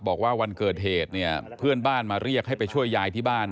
บอกว่าวันเกิดเหตุเนี่ยเพื่อนบ้านมาเรียกให้ไปช่วยยายที่บ้าน